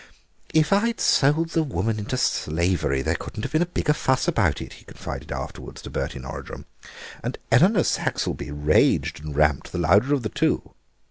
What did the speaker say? "If I had sold the woman into slavery there couldn't have been a bigger fuss about it," he confided afterwards to Bertie Norridrum, "and Eleanor Saxelby raged and ramped the louder of the two.